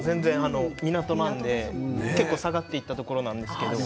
港なので結構下がっていったところなんですけども。